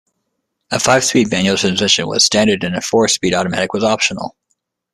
A five-speed manual transmission was standard and a four-speed automatic was optional.